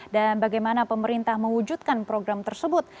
dan bagaimana pemerintah mewujudkan program tersebut